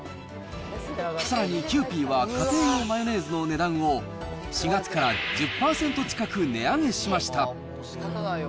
さらにキユーピーは家庭用マヨネーズの値段を４月から１０％近く値上げしました。